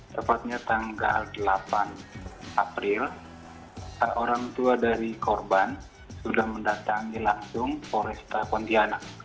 tepatnya tanggal delapan april orang tua dari korban sudah mendatangi langsung foresta pontianak